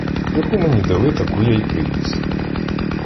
Яку мені дали, таку я й привіз.